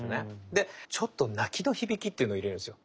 でちょっと泣きの響きっていうのを入れるんですよ。